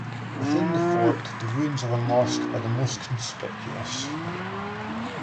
Within the fort the ruins of a mosque are the most conspicuous.